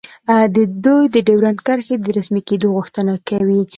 دوی د ډیورنډ کرښې د رسمي کیدو غوښتنه کوي